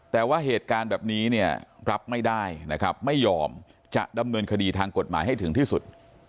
แต่ว่าเหตุการณ์แบบนี้เนี่ยรับไม่ได้นะครับไม่ยอมจะดำเนินคดีทางกฎหมายให้ถึงที่สุด